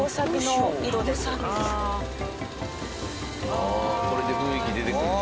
ああこれで雰囲気出てくるんや。